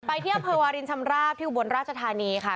ไปเทียบเผอร์วารินชำระที่อุบวนราชธานีค่ะ